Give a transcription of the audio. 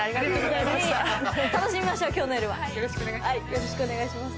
よろしくお願いします。